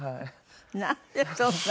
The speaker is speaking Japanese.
なんでそんな事。